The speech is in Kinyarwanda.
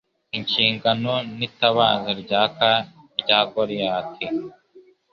inshingano n itabaza ryaka rya goriyati